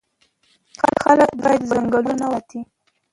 خلک باید ځنګلونه وساتي.